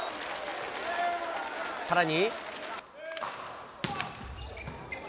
さらに。